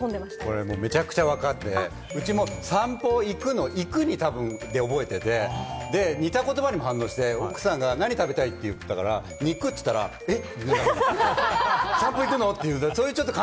これめちゃくちゃ分かって、うちも散歩に行くの「行く」で覚えていて、似た言葉にも反応して、奥さんが「何食べたい？」って言ったからに「肉」って言ったら、えっ？